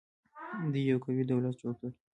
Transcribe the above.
دوی یو قوي دولت جوړ کړ